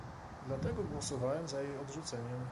Dlatego głosowałem za jej odrzuceniem